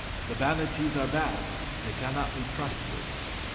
The Banattees are bad; they cannot be trusted."